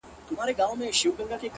o ددغه خلگو په كار؛ كار مه لره؛